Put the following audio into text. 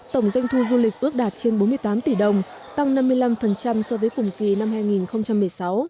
tổng doanh thu du lịch ước đạt trên bốn mươi tám tỷ đồng tăng năm mươi năm so với cùng kỳ năm hai nghìn một mươi sáu